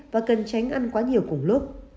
và cần tránh ăn quá nhiều cùng lúc